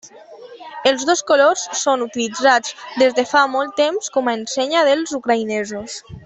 Els dos colors són utilitzats des de fa molt temps com a ensenya dels ucraïnesos.